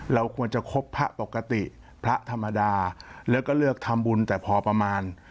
เราควรจะครบพระปกติพระธรรมดาแล้วก็เลือกทำบุญแต่พอประมาณ